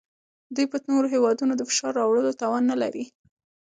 دوی په نورو هیوادونو د فشار راوړلو توان نلري